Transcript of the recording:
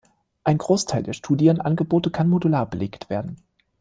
Ein Großteil der Studienangebote kann modular belegt werden.